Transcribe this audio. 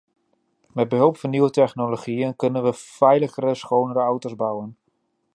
Met behulp van nieuwe technologieën kunnen we veiligere, schonere auto's bouwen.